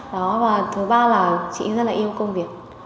đó và thứ ba là chị rất là yêu công việc